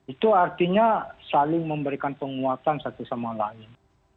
itu artinya saling memberikan penguatan satu sama lain